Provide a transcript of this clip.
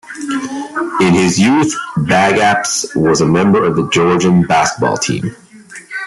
In his youth, Bagapsh was a member of the Georgian basketball team.